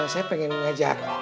saya pengen ngajak